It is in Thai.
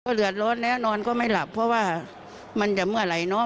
เดือดร้อนแล้วนอนก็ไม่หลับเพราะว่ามันจะเมื่อไหร่เนอะ